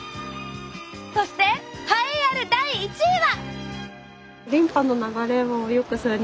そして栄えある第１位は！